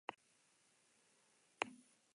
Normalean hitz zientifikoak edo teknikoak dira.